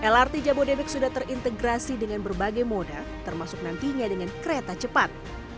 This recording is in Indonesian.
lrt jabodebek sudah terintegrasi dengan berbagai moda termasuk nantinya dengan kereta cepat